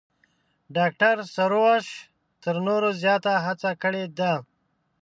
ډاکتر سروش تر نورو زیات هڅه کړې ده.